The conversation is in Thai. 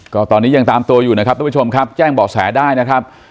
ก็ตอนนี้ยังตามตัวอยู่นะครับทุกผู้ชมครับแจ้งเบาะแสได้นะครับ